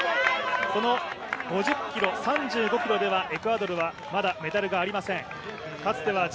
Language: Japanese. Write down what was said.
この５０ｋｍ、３５ｋｍではエクアドルはまだメダルがありません。